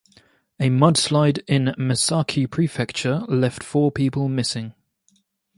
A mudslide in Miyazaki Prefecture left four people missing.